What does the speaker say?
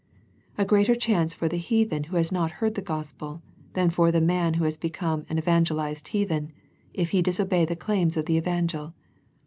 A greater chance for the heathen who has not heard the Gospel than for the man who has become an evangelized heathen, if he disobey the claims of the Evangel.